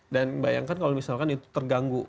dan bayangkan kalau misalkan itu terganggu